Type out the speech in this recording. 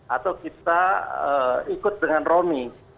atau kita ikut dengan romi